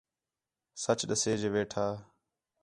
سچ ݙسے جے ویٹھا